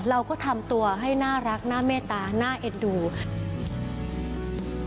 เราก็ทำตัวให้น่ารักน่าเมตตาน่าเอ็นดู